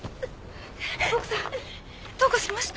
奥さんどうかしました？